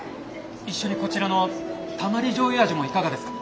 一緒にこちらのたまり醤油味もいかがですか？